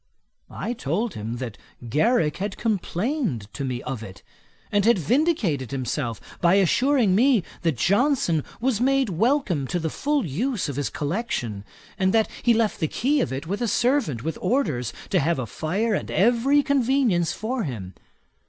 I told him, that Garrick had complained to me of it, and had vindicated himself by assuring me, that Johnson was made welcome to the full use of his collection, and that he left the key of it with a servant, with orders to have a fire and every convenience for him.